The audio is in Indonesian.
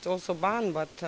tetapi semua orang mengatakan